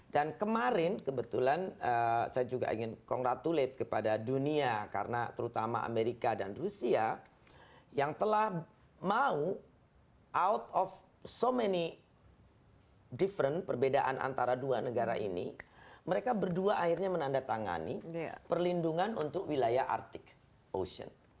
dan kemarin kebetulan saya juga ingin congratulate kepada dunia karena terutama amerika dan rusia yang telah mau out of so many different perbedaan antara dua negara ini mereka berdua akhirnya menandatangani perlindungan untuk wilayah arctic ocean